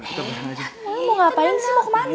mau ngapain sih mau kemana